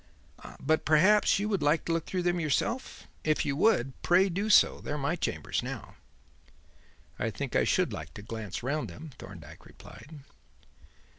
But perhaps you would like to look through them yourself? If you would, pray do so. They are my chambers now." "I think I should like to glance round them," Thorndyke replied.